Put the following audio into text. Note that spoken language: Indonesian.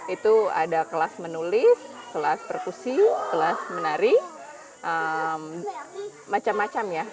itu ada kelas menulis kelas perkusi kelas menari macam macam ya